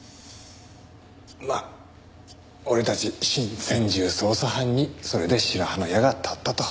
まあ俺たち新専従捜査班にそれで白羽の矢が立ったと。